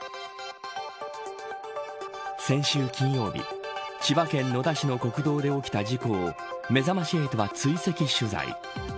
先週金曜日千葉県野田市の国道で起きた事故をめざまし８は追跡取材。